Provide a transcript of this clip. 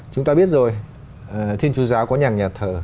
chúng ta biết rồi thiên chúa giáo có nhà nhà thờ